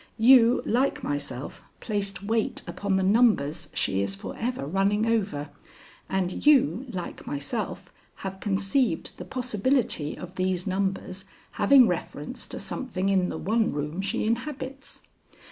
You, like myself, placed weight upon the numbers she is forever running over, and you, like myself, have conceived the possibility of these numbers having reference to something in the one room she inhabits.